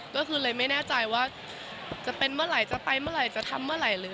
ก็คือเลยไม่แน่ใจว่าจะเป็นเมื่อไหร่จะไปเมื่อไหร่จะทำเมื่อไหร่หรือ